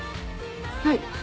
はい？